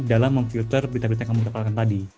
dalam memfilter berita berita yang kamu dapatkan tadi